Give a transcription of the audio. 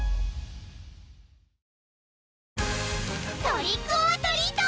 トリックオアトリート！